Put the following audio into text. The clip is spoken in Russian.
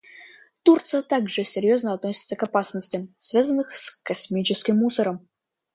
Турция также серьезно относится к опасностям, связанным с космическим мусором.